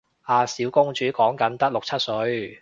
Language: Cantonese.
阿小公主講緊得六七歲